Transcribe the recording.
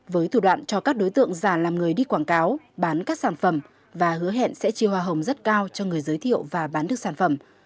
với thủ đoạn cho các đối tượng giả làm người đi quảng cáo bán các sản phẩm và hứa hẹn sẽ chia hoa hồng rất cao cho người giới thiệu và bán được sản phẩm